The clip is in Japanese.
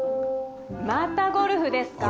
またゴルフですか？